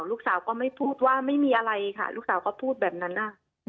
ลูกสาวก็ไม่พูดว่าไม่มีอะไรค่ะลูกสาวก็พูดแบบนั้น